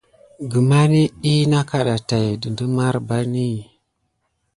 Guma net dik na kaɗa tät didine marbani.